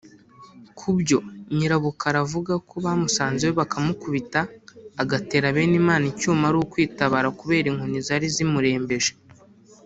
Ku byo Nyirabukara avuga ko bamusanze iwe bakamukubita agatera Benimana icyuma ari kwitabara kubera inkoni zari zimurembeje